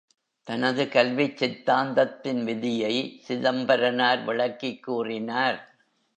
தனது கல்விச் சித்தாந்தத்தின் விதியை சிதம்பரனார் விளக்கிக் கூறினார்.